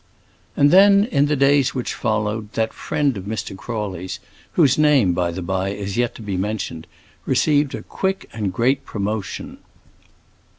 And then, in the days which followed, that friend of Mr. Crawley's, whose name, by the by, is yet to be mentioned, received quick and great promotion.